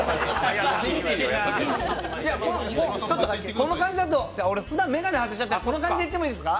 この感じだと、ふだん俺、眼鏡外しちゃってこの感じで行ってもいいですか？